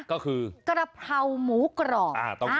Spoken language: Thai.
ก็คือกระเพราหมูกรอบ